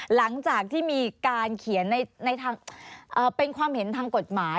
หลังจากที่มีการเขียนในทางเป็นความเห็นทางกฎหมาย